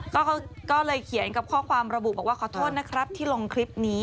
ก็เลยเขียนกับข้อความระบุบอกว่าขอโทษนะครับที่ลงคลิปนี้